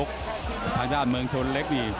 ทะเธอทาญาชเมืองเธอวิสบุรรณเดชน์เล็กนี่